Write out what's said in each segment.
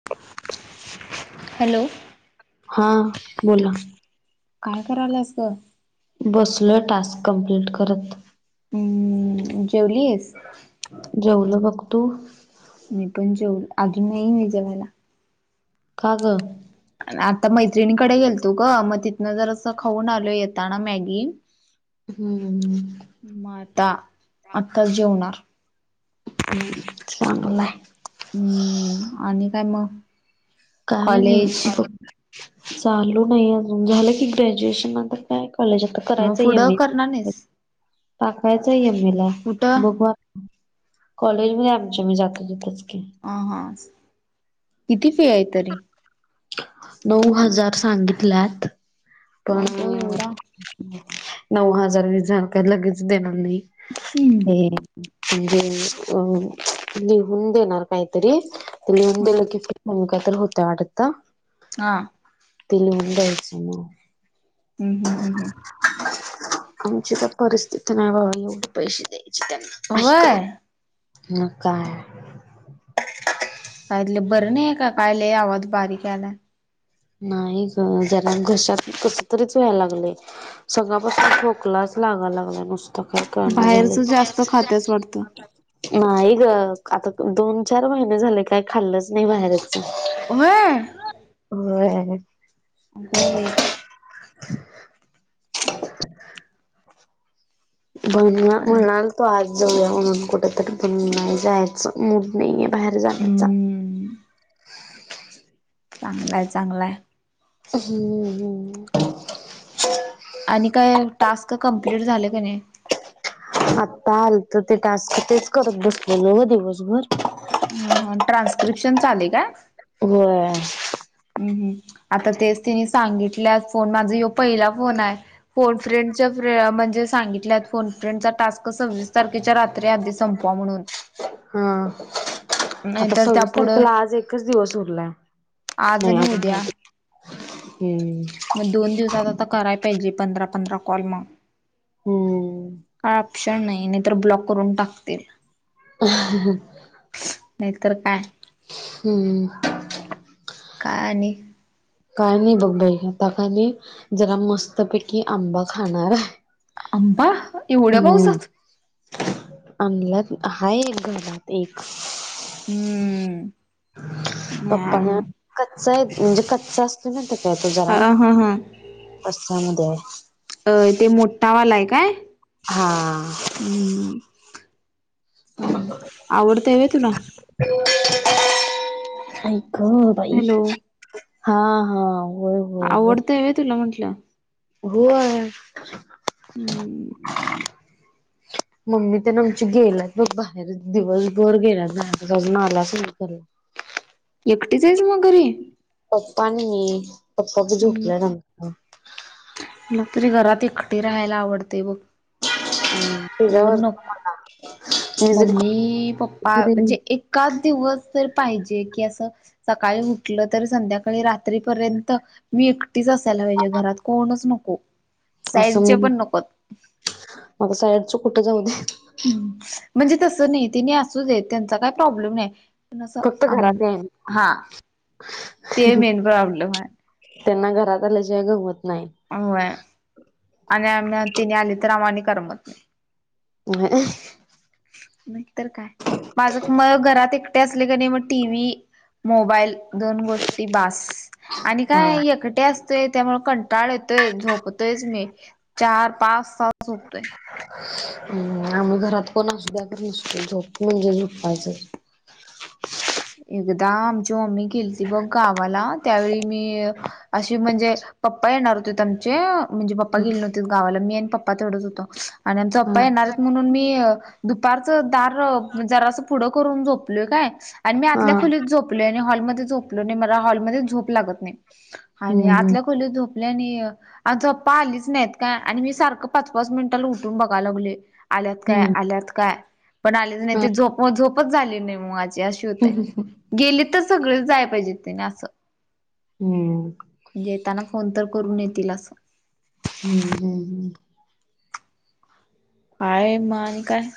[inaudible] Hello! हा बोला. काय करालास? बसलोय टास्क कंप्लीट करत. हम्म जेवलीयस? जेवलो बघ तू? मी पण जेव आजुन नाही मी जेवायला. का ग? आता मैत्रिणीकडे गेलतो ग मग तिथनं जरास खाऊन आलोय येताना मॅगी. [inaudible] हम्म हम्म हम्म. मग आता आत्ताच जेवणार. हम्म चांगलाय. हम्म आणि काय मग? काही नाही कॉलेज बघ. चालू नाही अजून झालं की ग्रॅज्युएशन नंतर काय कॉलेजात मग करायच पुढं यम ए करणार नाहीस टाकायचा यमएमे ला कुठं बघु आता. कॉलेज मध्ये आमच्या मी जातो तीथंच की. ह हा, किती फी आहे तरी? नऊ हजार सांगितल्यात. पण बाबो एवढा नऊ हजार [unintelligible] झालं का लगेच देणार नाही. हम्म. हे अ म्हणजे लिहून देनार कायतरी ते लिहून हा दिलं की म्हण काय तरी होतय वाटत. हा. ते लिहुन द्यायचं मग. हम्म हम हम हम. आमची तर परिस्थिती नाही बाबा एवढे पैसे द्यायचि त्यांना. व्हय मग काय. कायलं बरं नाही का काय लय आवाज बारीक यालाय? नाही ग जरा घशात कस तरीच व्हाय लागलय. सकाळपासून खोकलाच लागा लागलाय नुस ता काय कळना झालय. बाहेरचं जास्त खात्याच वाटतं. नाही ग आता दोन चार महिने झालय काय खाल्लच नाही बाहेरच. व्हय. होय. आता बाई. [inaudible] [unintelligible] आणि म्हणाल त आज जाऊया म्हणून कुठेतरी पण नाही जायाचं मूड नाहीये बाहेर जाण्याचा. हम्म. चांगलाय चांगलाय. हम्म हम्म. आणि काय टास्क कम्प्लीट झाले का नाही? आता आलत ते टास्क तेच करत बसलेलो दिवसभर. ह हा ट्रान्स्क्रिप्शनच आले का? होय. हम्म हम्म आता तेच तिने सांगितलेय फोन माझा हेव पहिला फोन आहे. फोन फ्रेंड चा फ्रे म्हणजे सांगीन त्यात फोन फ्रेंडचा टास्क सव्वीस तारखेच्या रात्री आधी संपवा म्हणून हां. नाहीतर त्या पुुढं आज एकच दिवस उरलाय नाही आणि अजून उद्या हायती हम्म. मग दोन दिवसात आता कराय पाहिजे पंधरा पंधरा कॉल मग हम्म का ऑप्शन नाही नाही तर ब्लॉक करून टाकतील. [inaudible] नाही तर काय. हम्म. काय आणि? काय नाही बघ बाई आता कानाई जरा मस्तपैकी आंबा खाणार हाय. आंबा एवढ्या पावसात? आणल्यात हाय घरात एक. हम्म. पप्पा नी नाही आण कच्चाय म्हणजे कच्चा असतो ना ते [unintelligible] जरा. अ हम्म हम्म. तशा मध्ये हाय. अ ते मोठावालाय काय? हा. हम्म. आवडतय व्हय तुला? आई ग बाई हॅलो हा हा. होय होय ग आवडतय व्हय तुला म्हटलं? होय. [inaudible] हम्म मम्मी ते न आमची गेल्यात बघ बाहेर दिवसभर गेल्यात घरातच अजून आल्याच नाही घरी. एकटीचय स मग घरी? पप्पा आणि मी, पप्पा बी हम्म झोपल्यात [unintelligible] मला तरी घरात एकटी राहायला आवडतय बघ. कोण नको [unintelligible] मी जरी मम्मी पप्पा कॉल म्हणजे एखाद दिवस तर पाहिजे की असं. सकाळी उठलं तर संध्याकाळी रात्रीपर्यंत. मी एकटीच असायला पाहिजे घरात, कोणच नको. असं साईडचे मग, पण नकोत पावसाळ्याचा कुठे जाऊ दे. हम्म, म्हणजे तसं नाही तिने असूच येत त्यांचा काय प्रॉब्लेम नाही. तसं फक्त अं घरात याय हा, ते मेन प्रॉब्लेम हाय. त्यांना घरात आल्याशिवाय गंमत नाही. व्हय आणि आम्ही तिने आली तर आम्हालाही करमत नाही. ह. नाई तर काय, माजं म गरात एक. ते असलेक नइ म टीव्ही मोबाईल. दोन गोष्टी बास आनी होय. काय एकट्यास. ते त्यामुळ कंटाळ येतोय झोपतोयच मी चार पाच तास झोपतोय. हम्म आमी घरात कोन असु द्या झोप म्हनजे झोपायचं. एकदा आमची मम्मी गेल्ती बग गावाला त्यावेळी मी. आशी म्हनजे पप्पा येणार होते त्यांचे. म्हनजे पप्पा गेले नव्हतेत गावाला मी आनी पप्पा तेवडच होतो आनी आमचा हा आप्पा येणारेत मनून मी. दुपारचं दार जरासं पुडं करून झोपलोय काय. आन मी हा आतल्या खोलीत झोपलोय आनी हॉलमद्ये झोपलो नइ आनी मला हॉलमद्ये झोप लागत नइ. आनी हम्म हम्म. आतल्या खोलीत झोप. ले नी आमचं प्पा आलीच नाइत काय मी सारकं पाच पाच मिनिटाला उटून बगाय लागले. आल्यात काय हम्म आल्यात काय पन आलेच नइ हा ते झोप झोपच झाली नाही माजी अशी ह होत्या ह ह. गेले तर सगळेच जाआय पायजे तेने असं. हम्म. येताना फोन तर करून येतील असं. हम्म हम्म हम्म. आएय म आनी काय?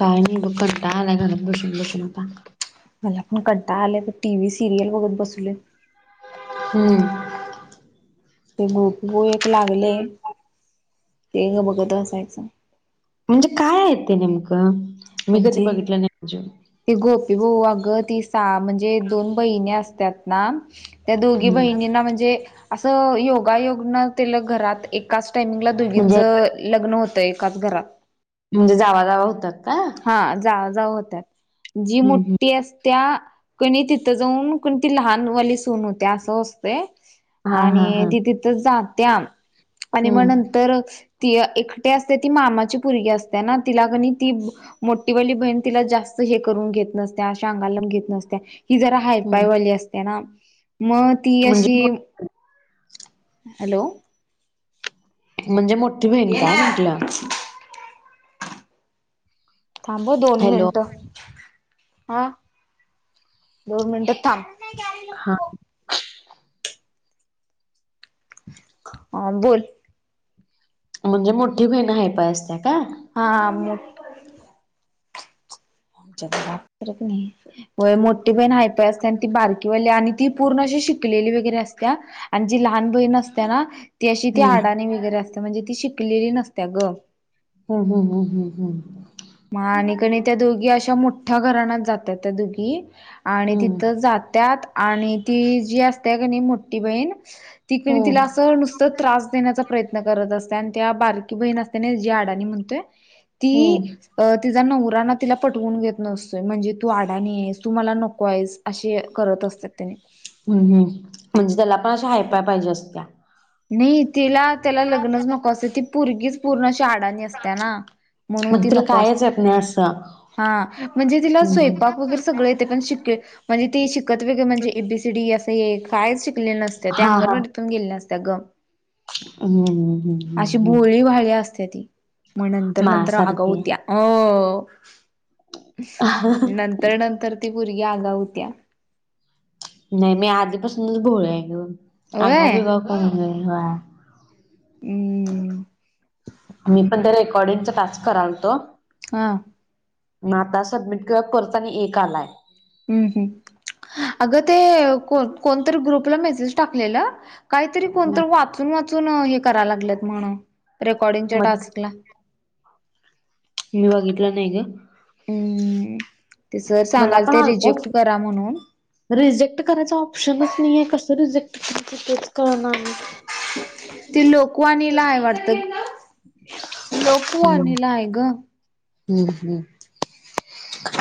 काय नइ बग कंटाळा आलाय घरात बसून बसून आता. मला पन कंटाळा त आलाय टीवि सिरियल बगत बसलोय. हम्म. ते गोपीबऔ एक लागले ते बगत असायचं. म्हनजे काय आय ते नेमकं मी कदी बगीतलं नइ. ती गोपी बऔ अगं ती सा म्हनजे दोन बहिणी अस्त्यात ना. त्या दोगी हम्म बहिणींना म्हनजे असं योगायोग न ते ला घरात एकाच टाइमिंगला म्हणजे दोगींचं लग्न होतं एकाच घरात. म्हनजे जावा जावा होतात का? हम्म हा जावा जावा होत्यात जी हम्म मोटी अस त्या कनइ तितं जाऊन कोन ती लहानवाली सून होते असं असतय. हा हा आनी हा ती तितं जात्यान आनी म हम्म नंतर. ती एकटि असते ती मामाची पोरगी अस्तेना तिला कनइ ती मोटीवाली भईन तिला जास्त हे करून घेत नस्त्या अशा अंगाला घेत नस्त्या. ही जरा हम्म हायपायवाली असते ना म ती म्हणजे अशी. मो हॅलो म्हनजे मोठी भईन काय म्हटलं? थांब दोन हॅलो मिनिटं आ. दोन मिनिटं थांब. हा. आ बोल. म्हणजे मोठी बहीण हायपाय असत्या काय. हा हा मो आमच्या घरात तर कणी. होय मोठी बहीण हायपाय असत्या आणि ती, बारकीवाली आणि ती पूर्ण अशी शिकलेली वगैरे असत्या. आणि जी लहान बहीण असत्या ना, ती अशी ती हम्म आडाणी वगैरे असत्या, म्हणजे ती शिकलेली नसत्या गं. हम हम हम हम हम. मग आणि कणी त्या दोघी अशा, मोठ्या घराण्यात जात्यात त्या दोघी. आणि हम्म हम्म तिथं जात्यात आणि ती, जी असत्या कणी न मोठी बहीण. ति कणी तिला हम्म असं नुसत त्रास देण्याचा. प्रयत्न करत असत्या आणि ती, बारकी बहीण असत्या जी अडाणी म्हणतोय हम्म ती. तिचा नवरा ना तिला पटवून घेत नसतोय, म्हणजे तू अडाणी आहेस तू मला नको हायस. अशी करत असत्यात त्यांनी. हम् हम् म्हणजे त्याला पण अशी हायपाय पाहिजे असत्या. नयी तिला त्याला लग्नच नको असते, ती पोरगीच पूर्ण अशी अडाणी असत्या ना. मग तिला कायच येत नाही असं. स [inaudible] हा म्हणजे तिला स्वयंपाक वगैरे, सगळं येते पण शिक म्हणजे ते शिकत वेगैरे म्हणजे, ए बीसीडी असं हे कायच शिकले नसते. ते हा हा अंगणवाडी पण गेले नस त्या गं हम्म हम्म हम्म अशी हम्म भोळी भाळी असत्या ती. मग नंतर नंतर आगाव मासारखी होत्या. अ नंत त्या नंतर ती पोरगी आगाव होत्या. नाही मी आधीपासूनच भोळी आहे गं, आगाव व्हय बिगाव कोण नाही व्हय. हम्म. मी पण ते रेकॉर्डिंगच टास्क कराल तो. हां. म आता सबमिट करताना एक आलाय. हम हम. अगं ते कोणतरी ग्रुपला मेसेज टाकलेलं. काय तरी कोणतरी वाचून वाचून हे करायला लागल्याय म्हण, रेकॉर्डिंग चा मग टास्कला. मी बघितलं नाही गं. हम्म ते सर मला सांगाल पण ते, आलतच रिजेक्ट करा म्हणून. रिजेक्ट करायचं ऑप्शनच नाहीये, कसं रिजेक्ट करायचं तेच कळना आणि. ती लोकवाणीला आहे वाटतं, लोकवाणीला आहे गं. हम हम.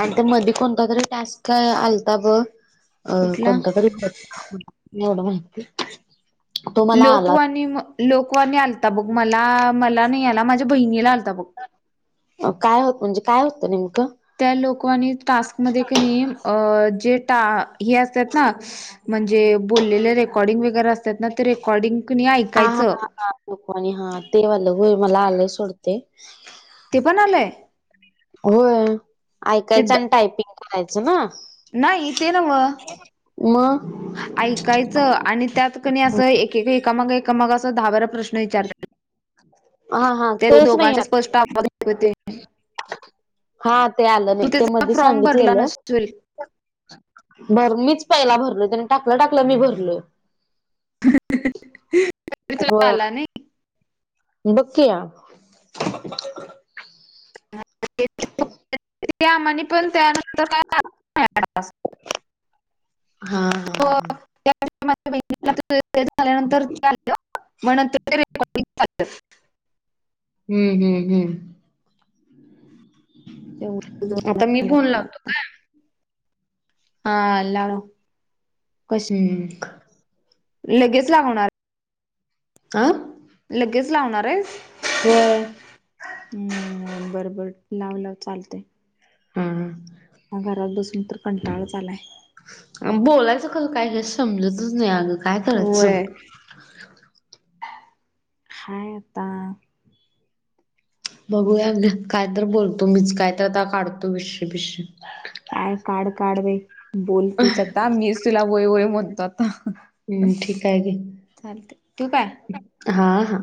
आणि ते मध्ये कोणता तरी टास्क आलता बग. कुठला [unintelligible] माहितीये. लोकवाणी लोकवाणी आलता बघं, मला मला नाही आला, माझ्या बहिणीला आलता बघं. अ काय होतं म्हणजे, काय होत नेमकं. त्या लोकवाणीत टास्कमध्ये कणी अ.. जे टास्क हे असतात ना. म्हणजे बोलेले रेकॉर्डिंग वगैरे असतात ना ते, रेकॉर्डिंग कणी आ ऐकायचं. [unintelligible] हा ते वालं होय मला आलंय सोड ते. ते पण आलंय. होय ते ऐकायचं आणि टायपिंग करायचं ना. नाही, ते नव्ह मग ऐकायचं आणि त्यात कणी, असं एक- एकामाग- एकामाग, असं दहा बरा प्रश्न विचार हा, हा, त्या तेच दोघांचे स्पष्ट आवाज ऐकू येते मयात हा, ते आलं तू नाही, ते त्याचा मध्ये फॉर्म भरला सांगितलेलं नसेल बर, मीच पहिला भरलोय, त्यानी टाकलं टाकलं मी भरलोय तरी हो, तुला आला बघ की, या [unintelligible] ते, आमानी पण, त्यानंतर काय, [unintelligible] टाईमपास हा त्या [unintelligible] झाल्यानंतर चालतं, म नंतर ते रेकॉर्डिंग चालतं हम्म, हम्म, हम्म तेवढं दोन आता, मी आल्या फोन लाव तिला हा लावा हम लगेच लावणार आ लगेच लावणार आहेस? व्हय हम्म, बर-बर, लाव -लाव, चालतय हम्म घरात बसून तर, कंटाळाच आलाय बोलायचं खरं काय, हे समजतच नाही, अगं काय करायचं? होय हाय आता बघू या, कायत बोलतो मीच, काय त आता काढतो विश बिश काय काड -काड बाई, बोल तूचआता, मीच तूला व्हय -व्हय, म्हणतो आता हम्म ठीक आहे की चालतय, ठीव काय? हा, हा